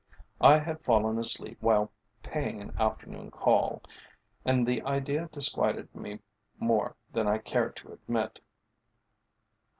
I had fallen asleep while paying an afternoon call, and the idea disquieted me more than I cared to admit.